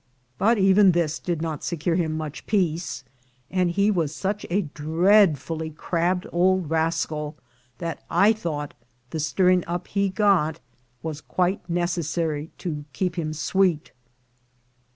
But even this did not secure him much peace, and he was such a dreadfully crabbed old rascal that I thought the stirring up he got was quite necessary to keep him sweet.